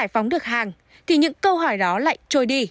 giải phóng được hàng thì những câu hỏi đó lại trôi đi